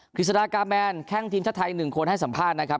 ฤษฎากาแมนแข้งทีมชาติไทย๑คนให้สัมภาษณ์นะครับ